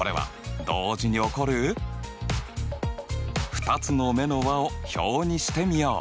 ２つの目の和を表にしてみよう。